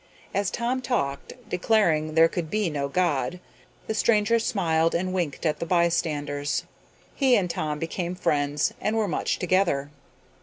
As Tom talked, declaring there could be no God, the stranger smiled and winked at the bystanders. He and Tom became friends and were much together.